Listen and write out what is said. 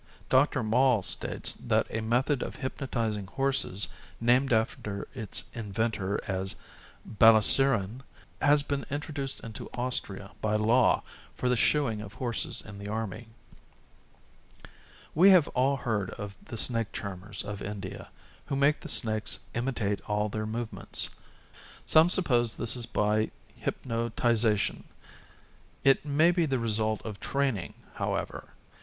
Dr. Moll states that a method of hypnotizing horses named after its inventor as Balassiren has been introduced into Austria by law for the shoeing of horses in the army. We have all heard of the snake charmers of India, who make the snakes imitate all their movements. Some suppose this is by hypnotization. It may be the result of training, however.